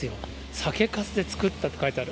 酒かすで造ったって書いてある。